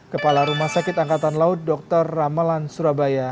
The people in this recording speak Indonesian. kepala rumah sakit angkatan laut dr ramalan surabaya